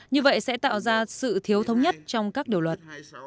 như vậy sẽ tạo ra sự thiếu thống nhất trong các điều luật